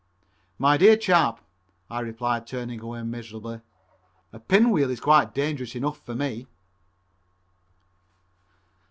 "My dear chap," I replied, turning away miserably, "a pinwheel is quite dangerous enough for me."